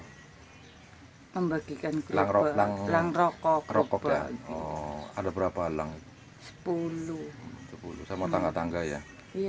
hai membagikan gelang gelang rokok rokok ada berapa langit sepuluh sepuluh sama tangga tangga ya iya